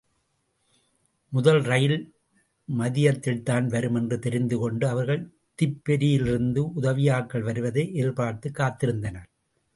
முதல் ரயில் மதியத்தில்தான் வரும் என்று தெரிந்து கொண்டு அவர்கள் திப்பெரரியிலிருந்து உதவியாட்கள் வருவதை எதிர்பார்த்துக் காத்திருந்தனர்.